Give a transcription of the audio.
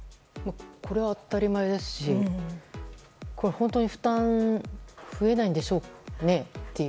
これは当たり前ですしこれは本当に負担は増えないんでしょうねという。